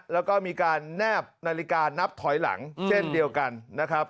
แล้วก็มีการแนบนาฬิกานับถอยหลังเช่นเดียวกันนะครับ